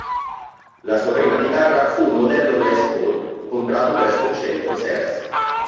La sua prima chitarra fu un modello Les Paul comprato presso un centro Sears.